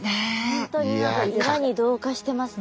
本当に何か岩に同化してますね。